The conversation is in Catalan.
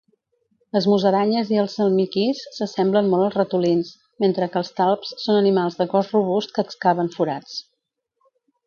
Les musaranyes i els almiquís s'assemblen molt als ratolins, mentre que els talps són animals de cos robust que excaven forats.